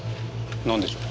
なんでしょう？